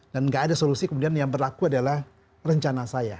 dan nggak ada solusi kemudian yang berlaku adalah rencana saya